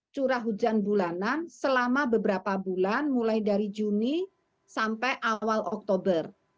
curah hujan bulanan selama beberapa bulan mulai dari juni sampai awal oktober